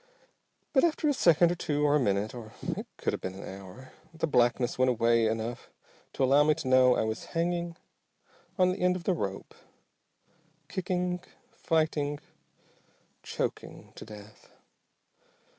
But after a second or two, or a minute, or it could have been an hour, the blackness went away enough to allow me to know I was hanging on the end of the rope, kicking, fighting, choking to death.